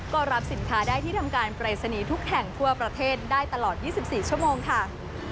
ก็รับสินค้าได้ที่ทำการปรายศนีย์ทุกแห่งทั่วประเทศได้ตลอด๒๔ชั่วโมงค่ะ